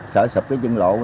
sợ sụp cái chân lộ